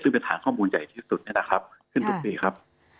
ซึ่งเป็นฐานข้อมูลใหญ่ที่สุดเนี่ยนะครับขึ้นทุกปีครับ